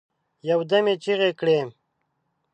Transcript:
یو دم یې چیغي کړې